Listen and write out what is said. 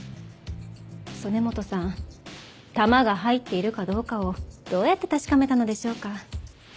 曽根本さん弾が入っているかどうかをどうやって確かめたのでしょうか？